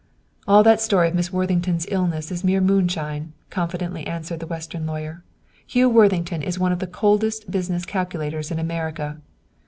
"All that story of Miss Worthington's illness is mere moonshine," confidently answered the Western lawyer. "Hugh Worthington is one of the coldest business calculators in America."